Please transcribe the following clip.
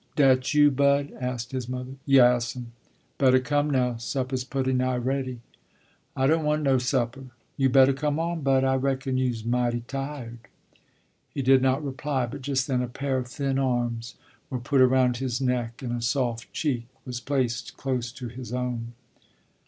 "Dat you, Bud?" asked his mother. "Yassum." "Bettah come now, supper's puty 'nigh ready." "I don't want no supper." "You bettah come on, Bud, I reckon you's mighty tired." He did not reply, but just then a pair of thin arms were put around his neck and a soft cheek was placed close to his own.